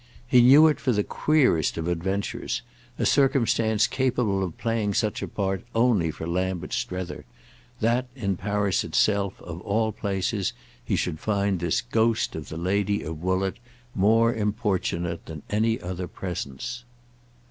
He knew it for the queerest of adventures—a circumstance capable of playing such a part only for Lambert Strether—that in Paris itself, of all places, he should find this ghost of the lady of Woollett more importunate than any other presence.